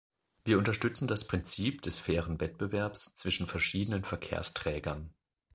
Wir unterstützen das Prinzip des fairen Wettbewerbs zwischen verschiedenen Verkehrsträgern.